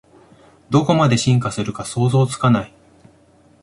どこまで進化するか想像つかない